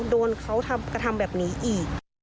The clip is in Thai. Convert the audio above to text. โดนเขากระทำแบบนี้อีก